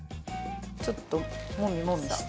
ちょっともみもみして。